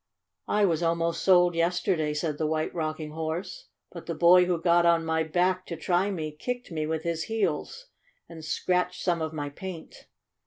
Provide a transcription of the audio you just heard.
' 9 "I was almost sold yesterday," said the White Rocking Horse. "But the boy who got on my back to try me kicked me with his heels and scratched some of my paint.